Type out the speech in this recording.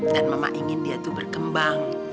dan mama ingin dia itu berkembang